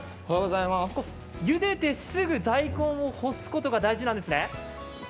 ゆでて、すぐ大根を干すことが大事なんですね？